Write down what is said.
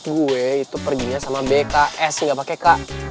gue itu perginya sama bks gak pake k